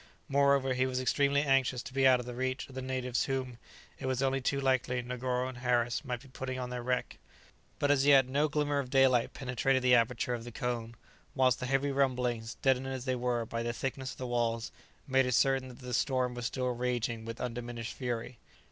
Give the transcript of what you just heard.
Moreover, he was extremely anxious to be out of the reach of the natives whom, it was only too likely, Negoro and Harris might be putting on their track. But as yet no glimmer of daylight penetrated the aperture of the cone, whilst the heavy rumblings, deadened as they were by the thickness of the walls, made it certain that the storm was still raging with undiminished fury.